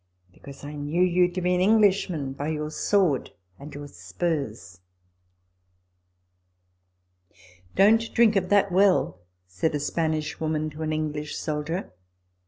" Because I knew you to be an English man by your sword and your spurs." " Don't drink of that well," said a Spanish woman to an English soldier.